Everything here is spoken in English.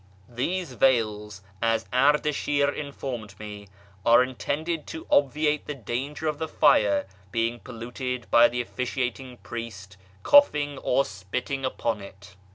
These veils, as Ardashir informed me, are intended to obviate the danger of the fire being polluted by the officiating priest coughing or spitting upon it.